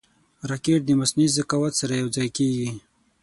راکټ د مصنوعي ذکاوت سره یوځای کېږي